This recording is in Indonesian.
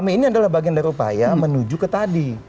ini adalah bagian dari upaya menuju ke tadi